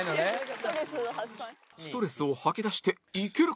ストレスを吐き出していけるか？